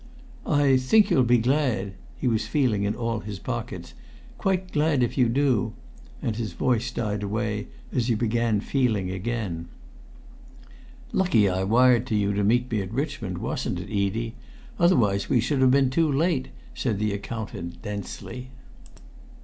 "I think you'll be glad" he was feeling in all his pockets "quite glad if you do " and his voice died away as he began feeling again. "Lucky I wired to you to meet me at Richmond, wasn't it, Edie? Otherwise we should have been too late," said the accountant densely.